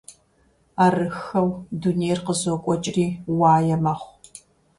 Арыххэу дунейр къызокӀуэкӀри уае мэхъу.